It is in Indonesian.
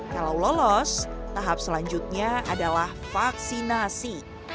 kalau lolos tahap selanjutnya adalah vaksinasi